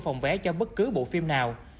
phòng vé cho bất cứ bộ phim nào